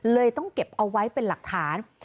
เลยต้องเก็บเอาไว้เป็นหลักฐาน